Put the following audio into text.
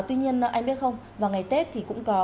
tuy nhiên ai biết không vào ngày tết thì cũng có